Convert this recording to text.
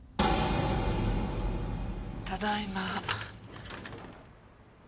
ただいま。